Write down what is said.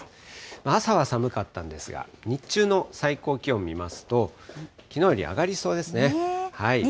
朝は寒かったんですが、日中の最高気温見ますと、きのうより上がりそうですね。